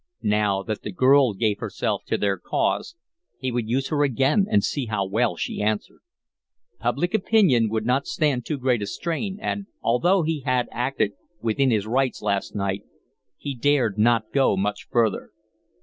Now that the girl gave herself to their cause he would use her again and see how well she answered. Public opinion would not stand too great a strain, and, although he had acted within his rights last night, he dared not go much further.